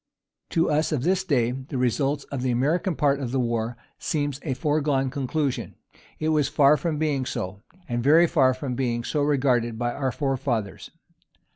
To us of this day, the result of the American part of the war seems a foregone conclusion. It was far from being so; and very far from being so regarded by our forefathers.